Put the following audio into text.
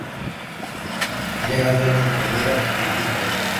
Llega el duelo entre Miraz y Peter.